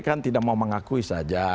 kan tidak mau mengakui saja